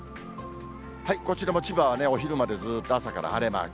こちらも千葉はお昼までずーっと朝から晴れマーク。